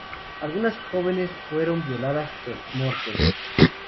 Algunas jóvenes fueron violadas post-mortem.